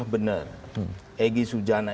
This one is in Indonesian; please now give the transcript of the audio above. benar egy sujana